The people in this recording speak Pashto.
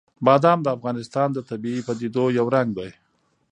بادام د افغانستان د طبیعي پدیدو یو رنګ دی.